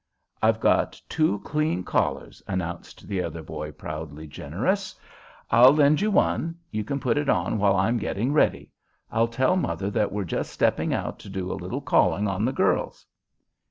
"I've got two clean collars," announced the other boy, proudly generous. "I'll lend you one. You can put it on while I'm getting ready. I'll tell mother that we're just stepping out to do a little calling on the girls."